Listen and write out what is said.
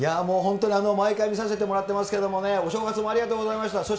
もう、本当に毎回見させてもらってますけどね、お正月もありがとうございました。